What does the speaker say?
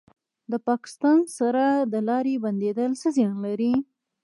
د پاکستان سره د لارې بندیدل څه زیان لري؟